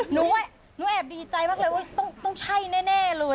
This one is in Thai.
หนูแอบดีใจมากเลยว่าต้องใช่แน่เลย